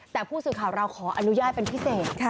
แต่ผู้สื่อข่าวเราขออนุญาตเป็นพิเศษ